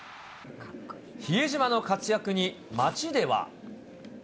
比江島の活躍に街では。